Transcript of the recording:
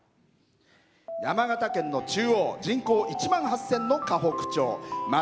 山形県の中央人口１万８０００の河北町。